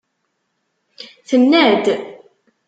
Tenna-d.